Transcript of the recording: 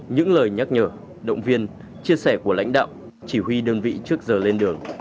những lời nhắc nhở động viên chia sẻ của lãnh đạo chỉ huy đơn vị trước giờ lên đường